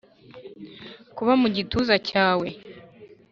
Kuba mugituza cyawe